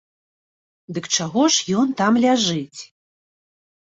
Дык чаго ж ён там ляжыць?